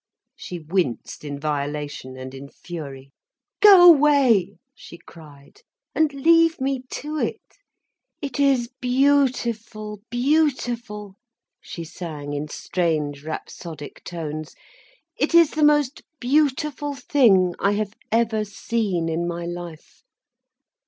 She winced in violation and in fury. "Go away," she cried, "and leave me to it. It is beautiful, beautiful," she sang in strange, rhapsodic tones. "It is the most beautiful thing I have ever seen in my life.